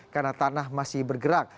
karena tanah masih bergerak